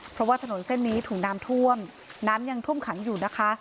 เพราะว่าถนนเส้นนี้ถูกน้ำท่วมน้ำยังท่วมขังอยู่นะคะ